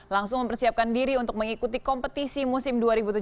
langsung mempersiapkan diri untuk mengikuti kompetisi musim dua ribu tujuh belas